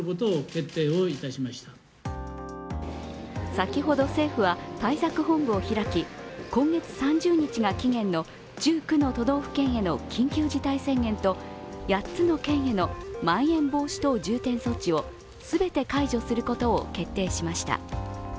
先ほど政府は対策本部を開き今月３０日が期限の１９の都道府県への緊急事態宣言と８つの県へのまん延防止等重点措置を全て解除することを決定しました。